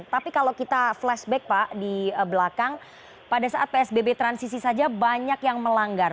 tapi kalau kita flashback pak di belakang pada saat psbb transisi saja banyak yang melanggar